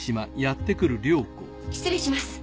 失礼します。